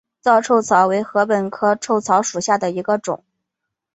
糙臭草为禾本科臭草属下的一个种。